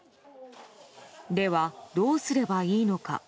では、どうすればいいのか。